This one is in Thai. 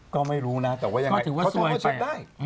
ก็ไม่รู้นะแต่ว่ายังไงเขาเช็คได้